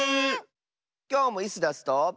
きょうもイスダスと。